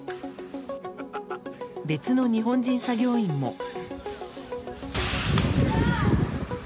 別の日本人作業員も。